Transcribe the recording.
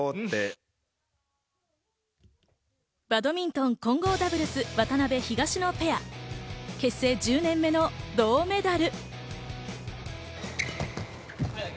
バドミントン混合ダブルス、渡辺・東野ペア、結成１０年目の銅メダル。